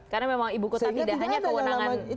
karena memang ibu kota tidak hanya kewenangan dki